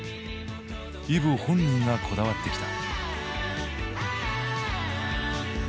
Ｅｖｅ本人がこだわってきた。